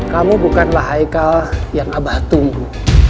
kamu bukanlah haikal yang abah tunggu